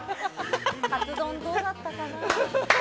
カツ丼、どうだったかな？